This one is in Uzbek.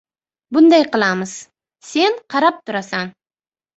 — Bunday qilamiz. Sen qarab turasan.